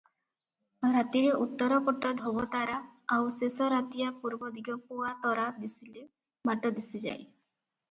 ରାତିରେ ଉତ୍ତରପଟ ଧୋବତରା ଆଉ ଶେଷ ରାତିଆ ପୂର୍ବଦିଗ ପୋଆତରା ଦିଶିଲେ ବାଟ ଦିଶିଯାଏ ।